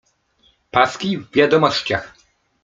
Paski w Wiadomościach